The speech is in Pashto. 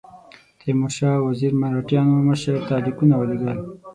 تیمورشاه وزیر مرهټیانو مشر ته لیکونه ولېږل.